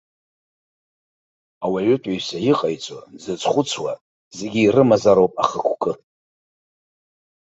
Ауаҩытәыҩса иҟаиҵо, дзызхәыцуа зегьы ирымазароуп ахықәкы.